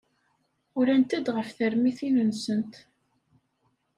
Urant-d ɣef termitin-nsent.